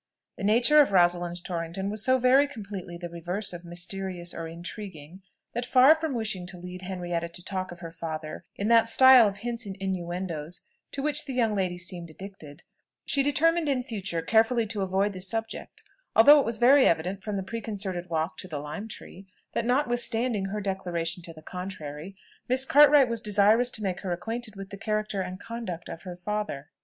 The nature of Rosalind Torrington was so very completely the reverse of mysterious or intriguing, that far from wishing to lead Henrietta to talk of her father in that style of hints and innuendos to which the young lady seemed addicted, she determined, in future, carefully to avoid the subject; although it was very evident, from the preconcerted walk to the lime tree, that, notwithstanding her declaration to the contrary, Miss Cartwright was desirous to make her acquainted with the character and conduct of her father.